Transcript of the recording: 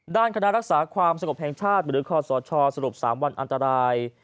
ด้านคณะรักษาความสงบแห่งชาติหรือคอสชสรุป๓วันอันตราย